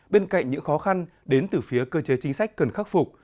bên cạnh những khó khăn đến từ phía cơ chế chính sách cần khắc phục